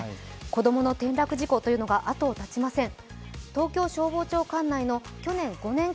子供の転落事故というのが後を絶ちません。